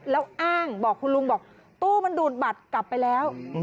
แล้วอ้างบอกคุณลุงบอกตู้มันดูดบัตรกลับไปแล้ว